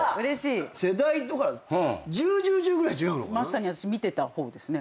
まさに私見てた方ですね。